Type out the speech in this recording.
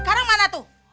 sekarang mana tuh